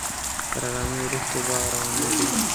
تر غرمې وروسته به روانېږو.